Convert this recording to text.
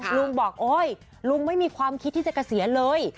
ลุงบอกโอ๊ยลุงไม่มีความคิดที่จะเกษียณเลย